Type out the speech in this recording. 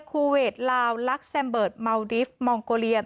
คูเวทลาวลักแซมเบิร์ตเมาดิฟต์มองโกเลีย